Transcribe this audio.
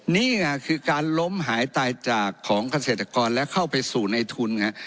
นี่ไงคือการล้มหายตายจากของเกษตรกรและเข้าไปสู่ในทุน